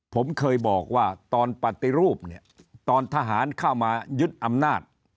ผมเคยบอกว่าตอนปฏิรูปเนี่ยตอนทหารเข้ามายึดอำนาจ